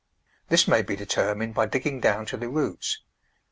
This may be determined by digging down to the roots.